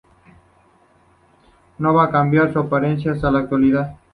No va a cambiar su apariencia hasta la actualidad.